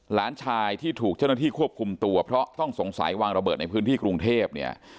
หลานชายที่ถูกเจ้าหน้าที่ควบคุมตัวเพราะต้องสงสัยวางระเบิดในพื้นที่กรุงเทพเนี่ย